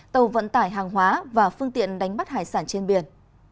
tàu vận tải hàng hóa và phương tiện đánh bắt hải sản trên biển